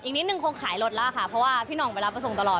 นิดนึงคงขายรถแล้วค่ะเพราะว่าพี่ห่องไปรับประสงค์ตลอด